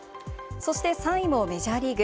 そして３位もメジャーリーグ。